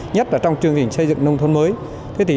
nhất là trong chương trình xây dựng nông thôn mới